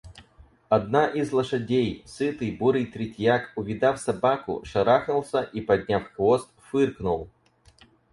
Одна из лошадей, сытый бурый третьяк, увидав собаку, шарахнулся и, подняв хвост, фыркнул.